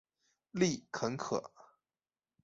丽肯可